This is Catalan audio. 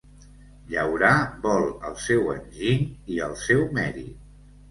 Llaurar vol el seu enginy i el seu mèrit.